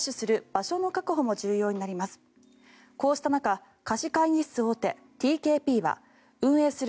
こうした中貸し会議室大手ＴＫＰは運営する